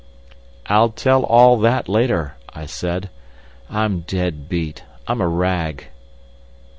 "I'll tell all that later," I said. "I'm dead beat. I'm a rag."